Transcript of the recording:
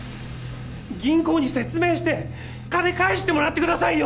銀行に説明して金返してもらってくださいよ！